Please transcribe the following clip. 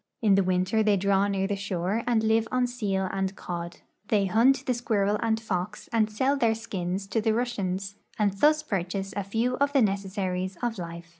In the winter they draw near the shore and live on seal and cod. They hunt the squirrel and fox and sell their skins to the Russians, and thus purchase a few of the necessaries of life.